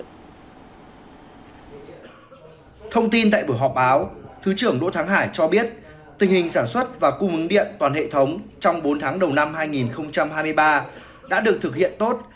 thông tin tại buổi họp báo thứ trưởng đỗ thắng hải cho biết tình hình sản xuất và cung ứng điện toàn hệ thống trong bốn tháng đầu năm hai nghìn hai mươi ba đã được thực hiện tốt